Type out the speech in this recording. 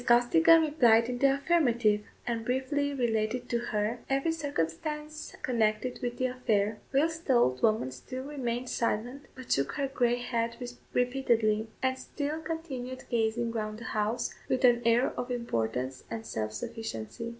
Costigan replied in the affirmative, and briefly related to her every circumstance connected with the affair, whilst the old woman still remained silent, but shook her grey head repeatedly; and still continued gazing round the house with an air of importance and self sufficiency.